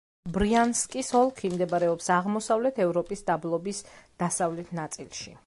ბრიანსკის ოლქი მდებარეობს აღმოსავლეთ ევროპის დაბლობის დასავლეთ ნაწილში.